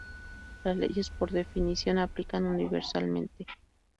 Las leyes por definición aplican universalmente.